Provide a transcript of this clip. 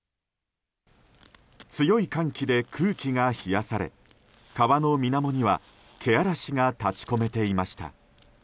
強い寒気で空気が冷やされ川の水面にはけあらしが立ち込めていました。